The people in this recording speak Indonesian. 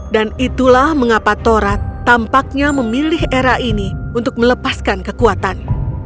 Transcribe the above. dan itulah mengapa torad tampaknya memilih era ini untuk melepaskan kekuatan